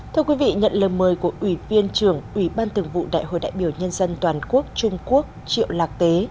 thưa quý vị nhận lời mời của ủy viên trưởng ủy ban tường vụ đại hội đại biểu nhân dân toàn quốc trung quốc triệu lạc tế